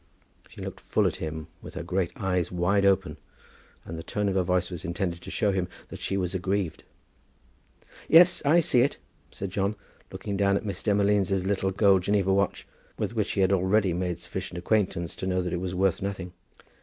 She looked full at him with her great eyes wide open, and the tone of her voice was intended to show him that she was aggrieved. "Yes, I see it," said John, looking down on Miss Demolines' little gold Geneva watch, with which he had already made sufficient acquaintance to know that it was worth nothing.